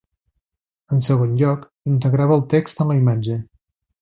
En segon lloc, integrava el text en la imatge.